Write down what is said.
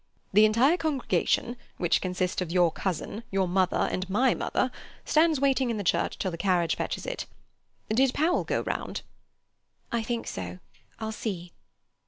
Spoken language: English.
The entire congregation, which consists of your cousin, your mother, and my mother, stands waiting in the church, till the carriage fetches it. Did Powell go round?" "I think so; I'll see."